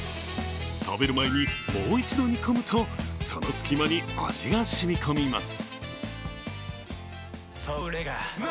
食べる前にもう一度煮込むとその隙間に味が染みこみます。